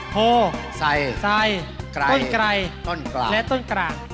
โพไซไกลต้นกล่างและต้นกล่าง